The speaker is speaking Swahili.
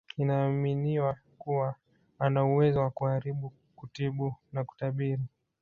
Inaaminiwa kuwa anauwezo wa kuharibu kutibu na kutabiri